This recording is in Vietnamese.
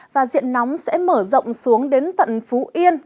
và diện nóng sẽ mở rộng xuống đến tận phú yên